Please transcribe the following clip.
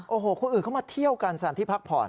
โอ้โหคนอื่นเข้ามาเที่ยวกันสถานที่พักผ่อน